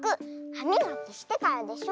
はみがきしてからでしょ。